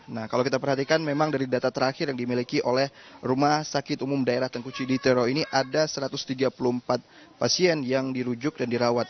nah kalau kita perhatikan memang dari data terakhir yang dimiliki oleh rumah sakit umum daerah tengkuci di tero ini ada satu ratus tiga puluh empat pasien yang dirujuk dan dirawat